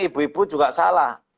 ibu ibu juga salah